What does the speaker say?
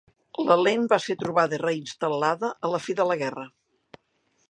La lent va ser trobada i reinstal·lada a la fi de la guerra.